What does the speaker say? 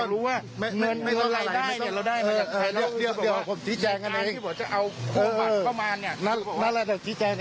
เราได้มาจากในฉลาย